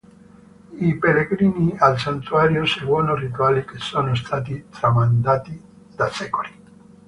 I pellegrini al Santuario seguono rituali che sono stati tramandati da secoli.